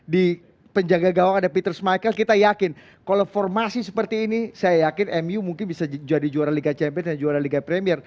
di penjaga gawang ada peter smicle kita yakin kalau formasi seperti ini saya yakin mu mungkin bisa jadi juara liga champion dan juara liga premier